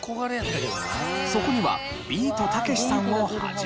そこにはビートたけしさんを始め。